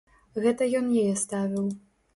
Гэта ён яе ставіў.